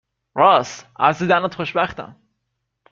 رآس ، از دیدنت خوشبختم